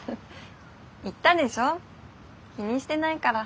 言ったでしょ気にしてないから。